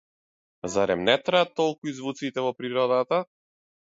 Зарем не траат толку и звуците во природата?